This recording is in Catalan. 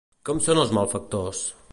Com són els malfactors?